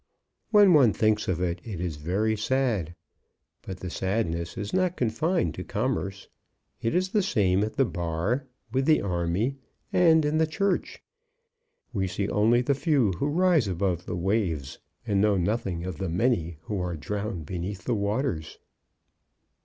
When one thinks of it, it is very sad; but the sadness is not confined to commerce. It is the same at the bar, with the army, and in the Church. We see only the few who rise above the waves, and know nothing of the many who are drowned beneath the waters.